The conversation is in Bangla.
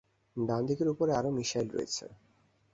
ডানদিকের উপরে আরো মিশাইল রয়েছে।